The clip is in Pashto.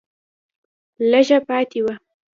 لږه پاتې وه